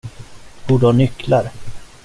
Du borde ha nycklar!